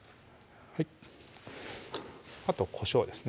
あとこしょうですね